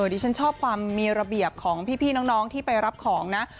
ดิฉันชอบความมีระเบียบของพี่น้องที่ไปรับของนะ